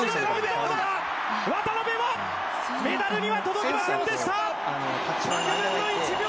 わたなべはメダルには届きませんでした。